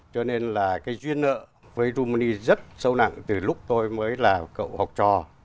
cho nên là cái duyên nợ với rumani rất sâu nặng từ lúc tôi mới là cậu học trò